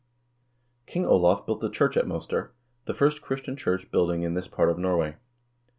King Olav built a church at Moster, the first Christian church build ing in this part of Norway.